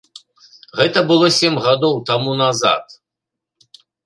Гэта было сем гадоў таму назад.